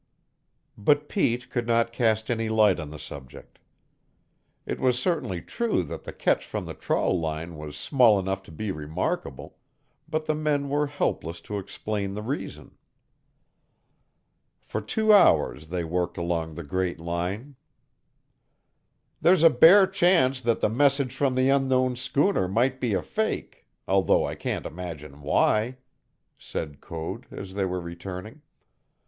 But Pete could not cast any light on the subject. It was certainly true that the catch from the trawl line was small enough to be remarkable, but the men were helpless to explain the reason. For two hours they worked along the great line. "There's a bare chance that the message from the unknown schooner might be a fake, although I can't imagine why," said Code as they were returning.